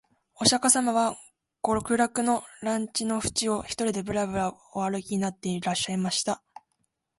御釈迦様は極楽の蓮池のふちを、独りでぶらぶら御歩きになっていらっしゃいました